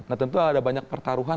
nah tentu ada banyak pertaruhan